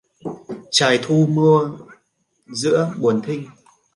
Trời thu mưa giữa buồn thinh